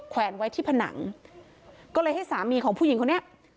แวนไว้ที่ผนังก็เลยให้สามีของผู้หญิงคนนี้